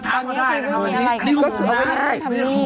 มันบ้าบ่ออ่ะสนใจก็ทักมาได้นะครับ